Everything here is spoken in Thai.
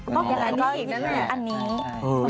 อันนี้ที่นึดอ่ะ